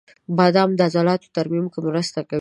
• بادام د عضلاتو ترمیم کې مرسته کوي.